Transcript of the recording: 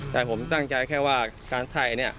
แต่ผมตั้งใจแค่ว่าการใช่เนี่ย